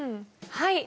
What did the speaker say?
はい。